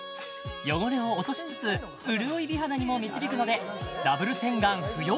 汚れを落としつつ潤い美肌にも導くのでダブル洗顔不要！